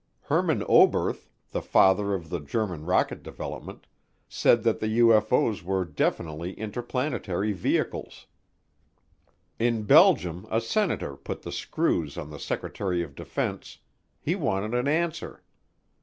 Herman Oberth, the father of the German rocket development, said that the UFO's were definitely interplanetary vehicles. In Belgium a senator put the screws on the Secretary of Defense he wanted an answer.